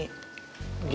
jadi merasa tersenyum